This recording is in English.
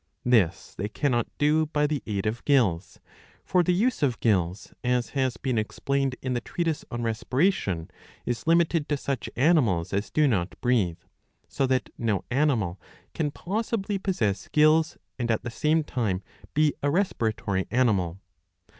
This they cannot do by the aid of gills ; for the use of gills, as has been explained in the treatise on Respiration, is limited to such animals as do not breathe ; so that no animal can possibly possess gills and at the same time be a respiratory animal.